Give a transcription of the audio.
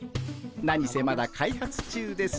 何せまだ開発中ですから。